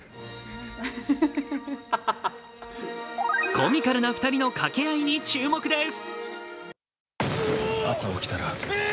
コミカルな２人の掛け合いに注目です。